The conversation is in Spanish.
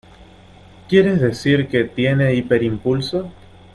¿ Quieres decir que tiene hiperimpulso?